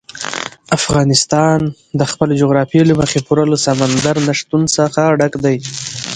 افغانستان د خپلې جغرافیې له مخې پوره له سمندر نه شتون څخه ډک دی.